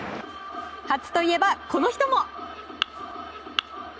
初といえば、この人も。